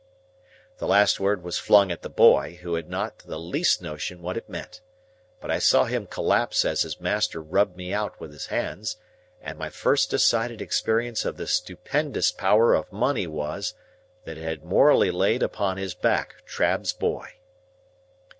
The last word was flung at the boy, who had not the least notion what it meant. But I saw him collapse as his master rubbed me out with his hands, and my first decided experience of the stupendous power of money was, that it had morally laid upon his back Trabb's boy.